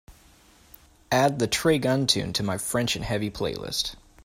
Add the trey gunn tune to my French N' Heavy playlist.